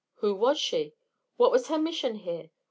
Who was she? What was her mission here?